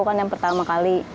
kan yang pertama kali